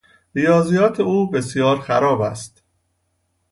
ریاضیات او بسیار خراب است.